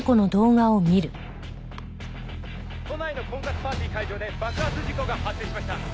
「都内の婚活パーティー会場で爆発事故が発生しました」